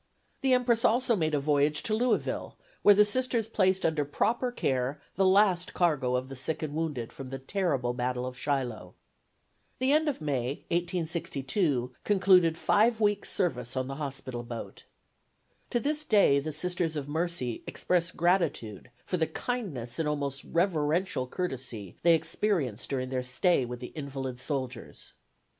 The "Empress" also made a voyage to Louisville, where the Sisters placed under proper care the last cargo of the sick and wounded from the terrible battle of Shiloh. The end of May, 1862, concluded five weeks' service on the hospital boat. To this day the Sisters of Mercy express gratitude for the kindness and almost reverential courtesy they experienced during their stay with the invalid soldiers.